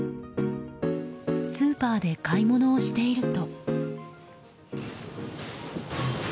スーパーで買い物をしていると。